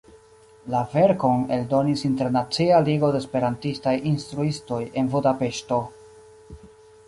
La verkon eldonis Internacia Ligo de Esperantistaj Instruistoj en Budapeŝto.